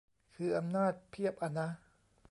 คืออำนาจเพียบอะนะ